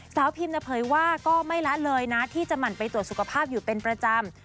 พิมนะเผยว่าก็ไม่ละเลยนะที่จะหมั่นไปตรวจสุขภาพอยู่เป็นประจำ